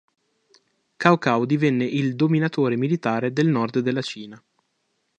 Cao Cao divenne il dominatore militare del nord della Cina.